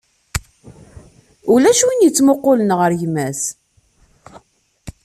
Ulac win yettmuqulen ɣer gma-s.